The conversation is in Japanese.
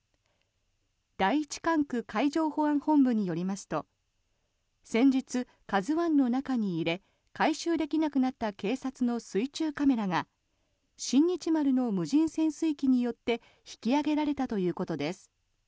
第一管区海上保安本部によりますと先日、「ＫＡＺＵ１」の中に入れ回収できなくなった警察の水中カメラが「新日丸」の無人潜水機によって引き揚げられたということです。